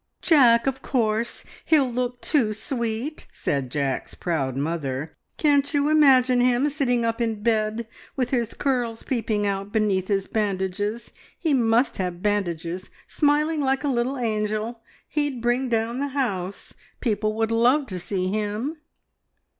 "Jack, of course. He'll look too sweet," said Jack's proud mother. "Can't you imagine him, sitting up in bed with his curls peeping out beneath his bandages he must have bandages smiling like a little angel! He'd bring down the house. The people would love to see him."